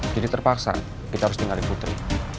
jadi terpaksa kita harus tinggal di putri